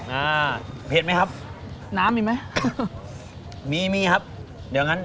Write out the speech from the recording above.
อ่าเผ็ดไหมครับน้ำมีไหมมีมีครับเดี๋ยวงั้น